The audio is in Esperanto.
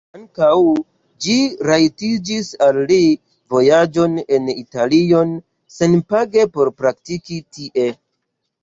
Ankaŭ ĝi rajtigis al li vojaĝon en Italion senpage por praktiki tie.